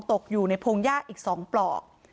ตกอยู่ในพงหญ้าอีก๒ปลอก